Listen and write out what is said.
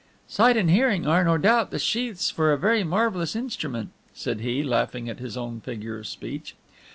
"Sight and hearing are, no doubt, the sheaths for a very marvelous instrument," said he, laughing at his own figure of speech.